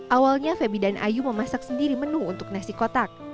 awalnya febi dan ayu memasak sendiri menu untuk nasi kotak